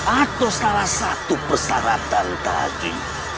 atau salah satu persyaratan tadi